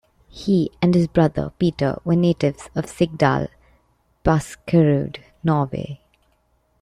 He and his brother Peter were natives of Sigdal, Buskerud, Norway.